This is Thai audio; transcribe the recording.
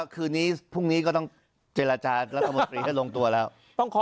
ก็สิ่งนี้ประมาณ๒วัน